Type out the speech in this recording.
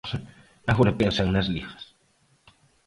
Agora pensan nas ligas.